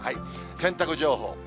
洗濯情報。